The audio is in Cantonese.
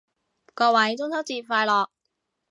各位中秋節快樂